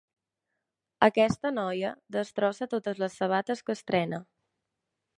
Aquesta noia destrossa totes les sabates que estrena.